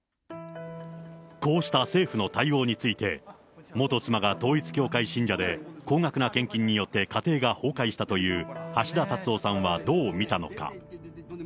こうした政府の対応について、元妻が統一教会信者で、高額な献金によって家庭が崩壊したという橋田達夫さんはどう見たのか。